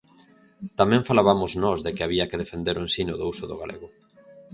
Tamén falabamos nós de que había que defender o ensino do uso do galego.